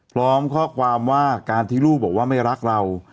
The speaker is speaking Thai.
พร้อมข้อความว่าการที่ลูกบอกว่าไม่รักเรา